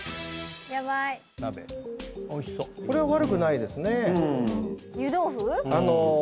これは悪くないですね